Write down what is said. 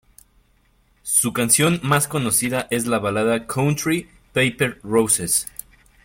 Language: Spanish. Su canción más conocida es la balada country "Paper Roses.